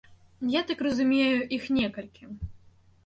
Я так разумею, іх некалькі.